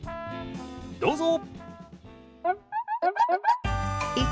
どうぞ！